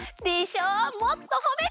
もっとほめて。